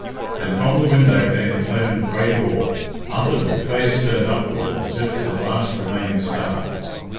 Then from the window came a tone of great awe, uttered with face turned upward as if to the last remaining star.